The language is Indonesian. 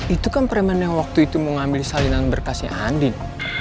itu kan preman yang waktu itu mau ngambil salinan berkasnya andin